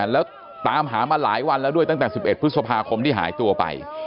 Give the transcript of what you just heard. แล้วตามหามาหลายวันแล้วด้วยตั้งแต่๑๑พฤษภาคมที่หายตัวไป